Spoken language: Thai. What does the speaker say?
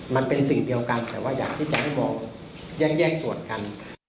มันเป็นสิ่งเดียวกันแต่ว่าอยากที่จะให้มองแยกส่วนกัน